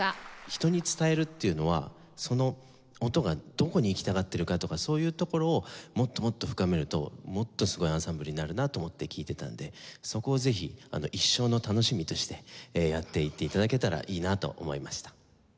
人に伝えるっていうのはその音がどこに行きたがっているかとかそういうところをもっともっと深めるともっとすごいアンサンブルになるなと思って聴いていたのでそこをぜひ一生の楽しみとしてやっていって頂けたらいいなと思いました。